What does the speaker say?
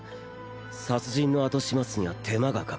殺人の後始末には手間がかかる。